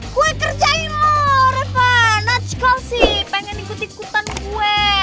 gue kerjain loh reva nacikalsi pengen ikut ikutan gue